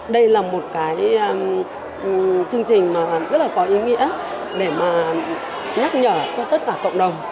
đây là một cái chương trình mà rất là có ý nghĩa để mà nhắc nhở cho tất cả cộng đồng